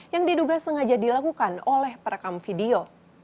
yang diduga sengaja dilakukan oleh perekam video